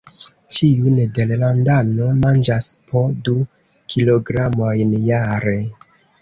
Ĉiu nederlandano manĝas po du kilogramojn jare.